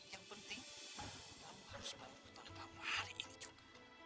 yang penting kamu harus bayar hutang kamu hari ini juga